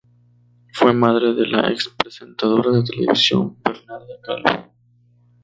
Fue madre de la ex presentadora de televisión Bernarda Calvo.